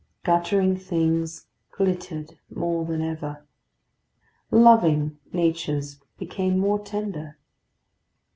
Guttering things glittered more than ever; loving natures became more tender.